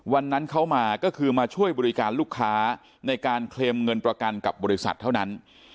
วันนั้นเขามาก็คือมาช่วยบริการลูกค้าในการเคลมเงินประกันกับบริษัทเท่านั้น